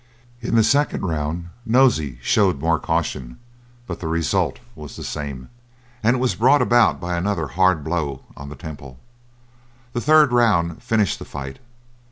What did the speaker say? In the second round Nosey showed more caution, but the result was the same, and it was brought about by another hard blow on the temple. The third round finished the fight.